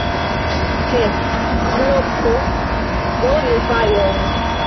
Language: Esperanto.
He, Ĥlopko, donu fajron!